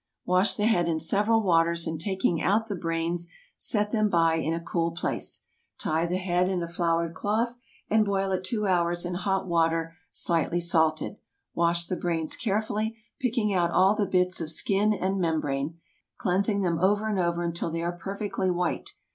Wash the head in several waters, and taking out the brains, set them by in a cool place. Tie the head in a floured cloth and boil it two hours in hot water slightly salted. Wash the brains carefully, picking out all the bits of skin and membrane, cleansing them over and over until they are perfectly white.